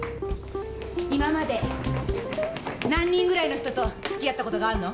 今まで何人ぐらいの人とつきあったことがあんの？